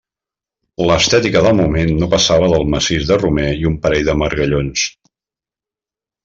L'estètica del moment no passava del massís de romer i un parell de margallons.